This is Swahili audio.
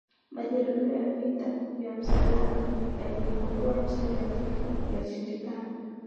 majaribio ya vita vya msalaba ya kuikomboa nchi takatifu yalishindikana